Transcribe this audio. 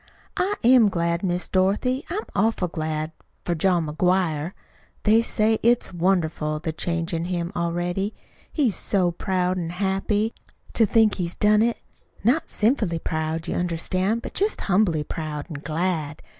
"I am glad, Miss Dorothy. I'm awful glad for John McGuire. They say it's wonderful, the change in him already. He's so proud an' happy to think he's done it not sinfully proud, you understand, but just humbly proud an' glad.